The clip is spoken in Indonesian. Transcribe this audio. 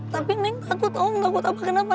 tapi neng takut om takut apa apa